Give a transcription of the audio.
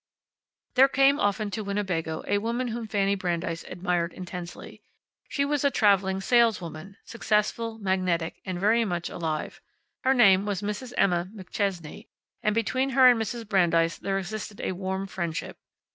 There came often to Winnebago a woman whom Fanny Brandeis admired intensely. She was a traveling saleswoman, successful, magnetic, and very much alive. Her name was Mrs. Emma McChesney, and between her and Mrs. Brandeis there existed a warm friendship.